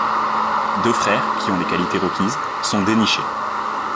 Deux frères, qui ont les qualités requises, sont dénichés.